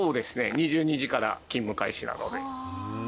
２２時から勤務開始なので。